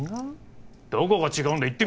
どこが違うんだ？